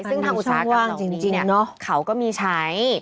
ซึ่งทางอุตสาหกรรมจริงเขาก็มีใช้